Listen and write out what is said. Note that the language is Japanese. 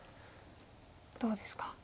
どうですか？